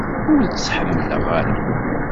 Ur tt-ḥemmleɣ ara.